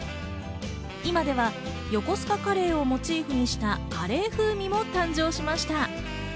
今ではよこすかカレーをモチーフにしたカレー風味も誕生しました。